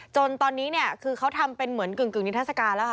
จนตอนนี้เนี่ยคือเขาทำเป็นเหมือนกึ่งนิทัศกาลแล้วค่ะ